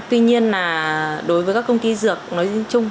tuy nhiên là đối với các công ty dược nói chung